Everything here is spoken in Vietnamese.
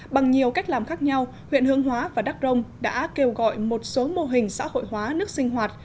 bằng nhiều cách làm khác nhau huyện hương hóa và đắk rông đã kêu gọi một số mô hình xã hội hóa nước sinh hoạt